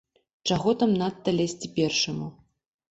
Чаго там надта лезці першаму.